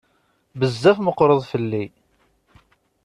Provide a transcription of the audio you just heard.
Bezzaf meqqreḍ fell-i.